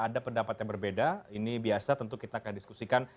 ada pendapat yang berbeda ini biasa tentu kita akan diskusikan